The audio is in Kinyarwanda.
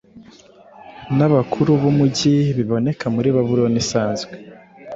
nabakuru bumujyibiboneka muri Babuloni isanzwe